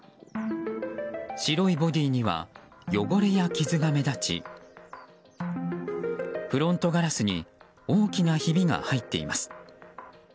白いボディーには汚れや傷が目立ちフロントガラスに大きなひびが入っています。